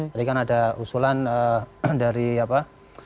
jadi kan ada usulan dari apa